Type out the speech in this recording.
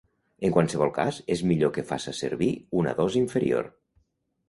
En qualsevol cas, és millor que faça servir una dosi inferior.